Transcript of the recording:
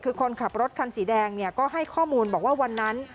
คือคนขับรถคันสีแดงเนี่ยก็ให้ข้อมูลบอกว่าวันนั้น